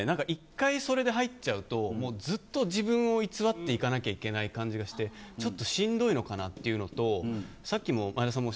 １回、それで入っちゃうとずっと自分を偽っていかなきゃいけない感じがしてちょっとしんどいのかなとさっき前田さんも